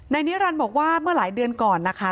นิรันดิ์บอกว่าเมื่อหลายเดือนก่อนนะคะ